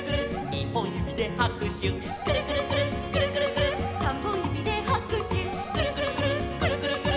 「にほんゆびではくしゅ」「くるくるくるっくるくるくるっ」「さんぼんゆびではくしゅ」「くるくるくるっくるくるくるっ」